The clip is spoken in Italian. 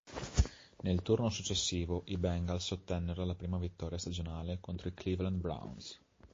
Nel turno successivo, i Bengals ottennero la prima vittoria stagionale contro i Cleveland Browns.